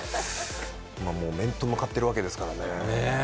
面と向かってるわけですからねえ。